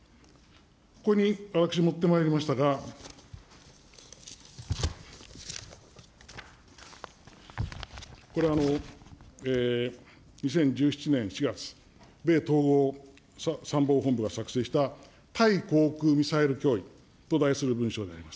ここに私持ってまいりましたが、これ、２０１７年４月、米統合参謀本部が作成したと題する文書であります。